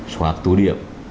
xoạc tố điểm